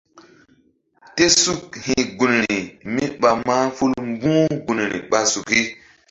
Tésuk hi̧ gunri míɓa mahful mbu̧h gunri ɓa suki.